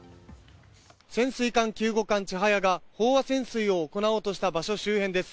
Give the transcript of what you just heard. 潜水艦救護艦「ちはや」が飽和潜水を行おうとした場所周辺です。